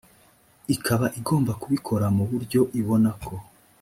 ikaba igomba kubikora mu buryo ibonako